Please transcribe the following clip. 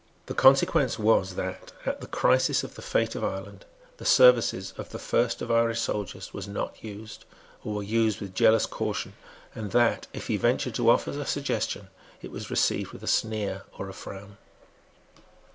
The consequence was that, at the crisis of the fate of Ireland, the services of the first of Irish soldiers were not used, or were used with jealous caution, and that, if he ventured to offer a suggestion, it was received with a sneer or a frown.